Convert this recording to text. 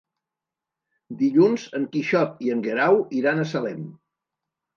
Dilluns en Quixot i en Guerau iran a Salem.